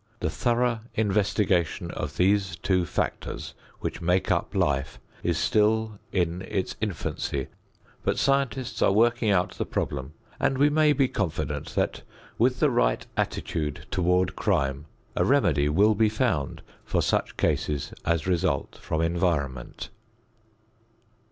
The thorough investigation of these two factors which make up life is still in its infancy, but scientists are working out the problem, and we may be confident that with the right attitude toward crime, a remedy will be found for such cases as result from environment.